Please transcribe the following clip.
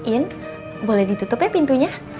in boleh ditutup ya pintunya